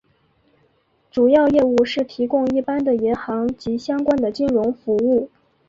主要业务是提供一般的银行及相关的金融服务。